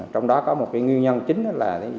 trong đó có một cái nguyên nhân chính là